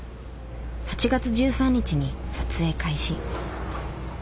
８月１３日に撮影開始。